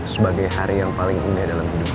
sebagaiong hari yang paling indah dalam hidup gue